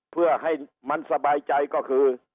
เพื่อให้มันสบายใจก็คือ